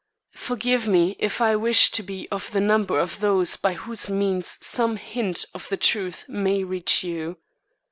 Forgive me if I wish to be of the number of those by whose means some hint of the truth may reach you.